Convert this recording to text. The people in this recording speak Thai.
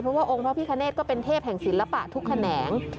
เพราะว่าองค์พระพิคเนธก็เป็นเทพแห่งศิลปะทุกแขนง